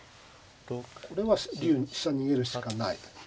これは竜飛車逃げるしかない。